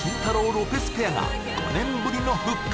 ロペスペアが５年ぶりの復活